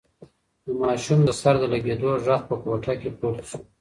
د ماشوم د سر د لگېدو غږ په کوټه کې پورته شو.